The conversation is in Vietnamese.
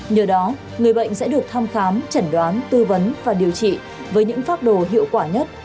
nhờ đó người bệnh sẽ được thăm khám chẩn đoán tư vấn và điều trị với những pháp đồ hiệu quả nhất